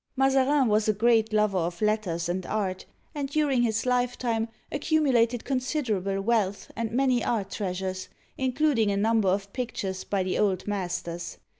Mazarin was a great lover of letters and art, and during his lifetime^ accumulated considerable wealth and many Painting by Vetter. Mazarin. art treasures, including a number of pictures by the old masters.